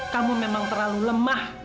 kamu memang terlalu lemah